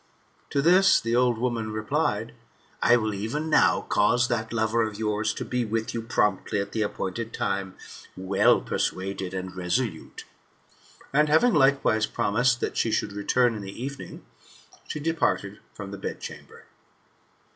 To this the old woman replied :I will even now cause that lover of yours to be with you promptly at the appointed time, well persuaded and resolute." And having likewise promised, that she would return in the evening, she departed from the bedchamber.